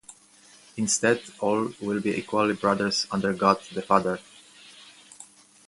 Instead all will be equally brothers under God the father.